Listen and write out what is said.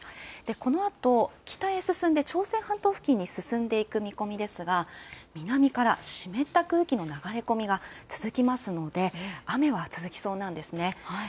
このあと北に進んで朝鮮半島付近に進んでいく見込みですが南から湿った空気の流れ込みが続きますので雨は続きそうです。